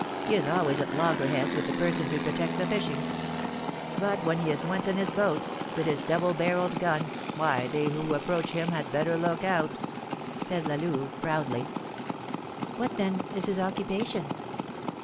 He is always at loggerheads with the persons who protect the fishing; but when he is once in his boat, with his double barrelled gun, why, they who approach him had better look out!" said La Louve, proudly. "What, then, is his occupation?"